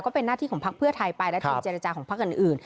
เป็นหน้าที่ของพักเพื่อไทยไปและทีมเจรจาของพักอื่น